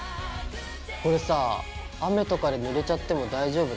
これさぁ雨とかでぬれちゃっても大丈夫なの？